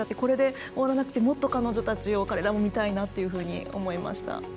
これで終わらなくて、もっと彼女たち、彼らを見たいなと思いました。